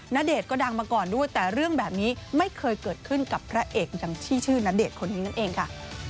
ณเดชน์ก็ดังมาก่อนด้วยแต่เรื่องแบบนี้ไม่เคยเกิดขึ้นกับพระเอกดังที่ชื่อณเดชน์คนนี้นั่นเองค่ะ